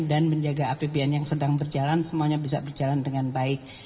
dan menjaga abbn yang sedang berjalan semuanya bisa berjalan dengan baik